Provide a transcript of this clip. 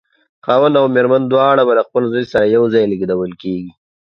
خاوند او مېرمن دواړه به له خپل زوی سره یو ځای لېږدول کېږي.